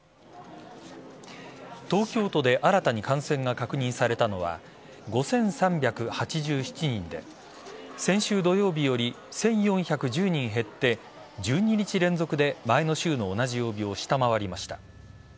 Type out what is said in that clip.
東京都で新たに感染が確認されたのは５３８７人で先週土曜日より１４１０人減って１２日連続で前の週の同じ曜日を下回りました。